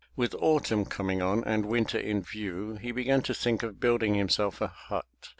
With autumn coming on and winter in view, he began to think of building himself a hut.